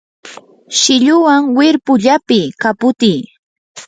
silluwan wirpu llapiy, kaputiy